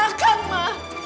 yang terangkan ma